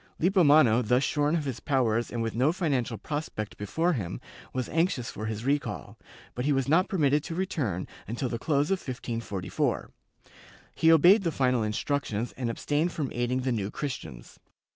Lippomano, thus shorn of his powers and with no financial prospect before him, was anxious for his recall, but he was not permitted to return until the close of 1544; he obeyed the final instructions and abstained from aiding the New Christians.